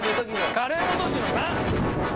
カレーの時のナン！